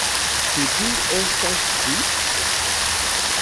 Ĉu ĝi estas vi?